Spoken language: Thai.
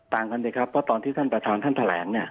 กันสิครับเพราะตอนที่ท่านประธานท่านแถลงเนี่ย